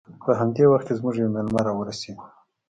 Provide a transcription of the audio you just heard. په همدې وخت کې زموږ یو میلمه راورسید